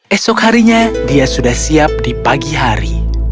esok harinya dia sudah siap di pagi hari